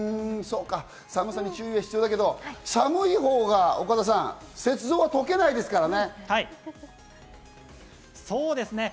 寒さ注意は必要だけど、寒い方が岡田さん、雪像は溶けないですからね。